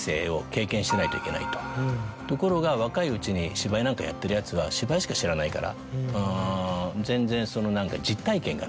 ところが若いうちに芝居なんかやっているヤツは芝居しか知らないから全然その何か。